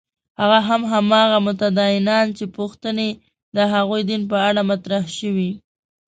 هغه هم هماغه متدینان چې پوښتنې د هغوی دین په اړه مطرح شوې.